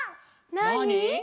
なに？